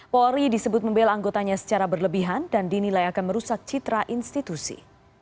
polri disebut membela anggotanya secara berlebihan dan dinilai akan merusak citra institusi